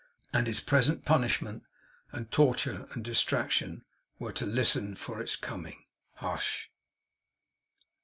And his present punishment, and torture and distraction, were, to listen for its coming. Hush!